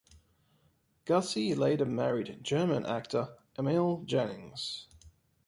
Gussy later married German actor Emil Jannings.